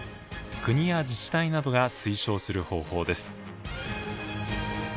国や自治体などが推奨する方法です。